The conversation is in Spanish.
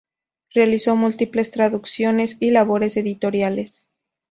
Realizó múltiples traducciones y labores editoriales.